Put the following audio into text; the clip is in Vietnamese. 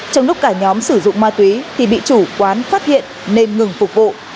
trong lúc cả nhóm sử dụng ma túy thì bị chủ quán phát hiện nên ngừng phục vụ